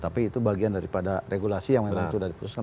tapi itu bagian daripada regulasi yang memang sudah diputuskan